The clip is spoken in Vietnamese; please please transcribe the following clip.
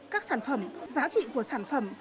các sản phẩm giá trị của sản phẩm